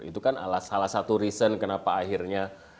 itu kan salah satu reason kenapa akhirnya